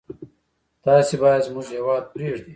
تاسي باید زموږ هیواد پرېږدی.